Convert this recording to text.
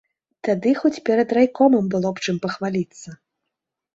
Тады хоць перад райкомам было б чым пахваліцца.